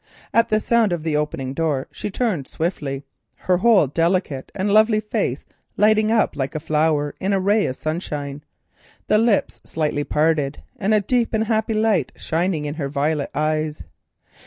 At the sound of the opening door she turned swiftly, her whole delicate and lovely face lighting up like a flower in a ray of sunshine, the lips slightly parted, and a deep and happy light shining in her violet eyes.